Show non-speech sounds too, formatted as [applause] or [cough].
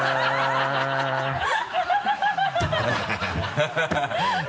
ハハハ [laughs]